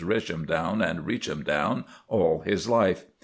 Reachemdown & Reachemdown, all his life.